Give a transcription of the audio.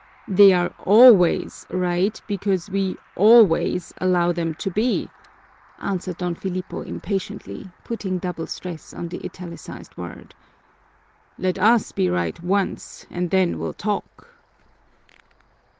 "They are always right because we always allow them to be," answered Don Filipo impatiently, putting double stress on the italicized word. "Let us be right once and then we'll talk."